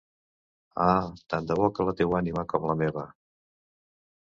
Ah! Tant-de-bo que la teua ànima, com la meua...